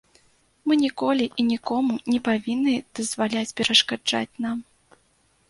Мы ніколі і нікому не павінны дазваляць перашкаджаць нам.